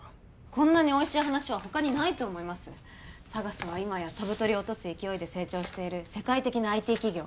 こんなにおいしい話は他にないと思いますＳＡＧＡＳは今や飛ぶ鳥落とす勢いで成長している世界的なＩＴ企業